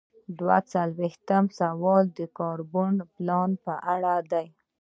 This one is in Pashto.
دوه څلویښتم سوال د کاري پلان په اړه دی.